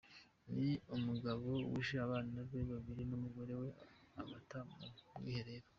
Ni umugabo wishe abana be babiri n’umugore we abata mu bwiherero.